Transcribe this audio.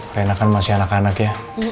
karena kan masih anak anak ya